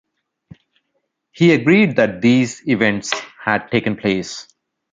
He agreed that these events had taken place.